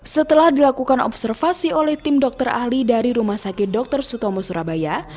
setelah dilakukan observasi oleh tim dokter ahli dari rumah sakit dr sutomo surabaya